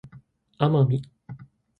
奄美